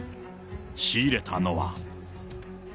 仕入れたのは。